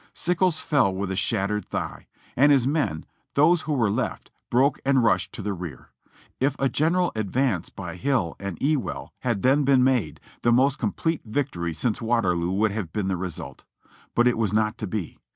Sickles fell with a shattered thigh, and his men, those who Avere left, broke and rushed to the rear. If a general advance by Hill and Ewell had then been made, the most complete victory since Waterloo would have been the result. But it was not to be.